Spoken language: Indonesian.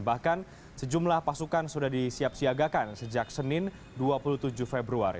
bahkan sejumlah pasukan sudah disiap siagakan sejak senin dua puluh tujuh februari